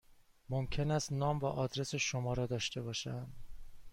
ممکن است نام و آدرس شما را داشته باشم؟